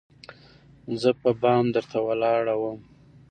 زه په بام درته ولاړه وم